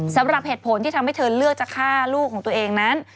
สำหรับเหตุผลที่ทำให้เธอเลือกจะฆ่าลูกของตัวเองนั้น